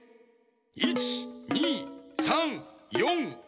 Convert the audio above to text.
１２３４５６。